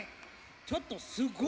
ちょっとすごい。